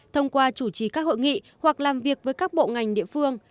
thông qua chủ trì các hội nghị hoặc làm việc với các bộ ngành địa phương